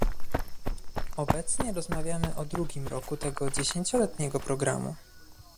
Obecnie rozmawiamy o drugim roku tego dziesięcioletniego programu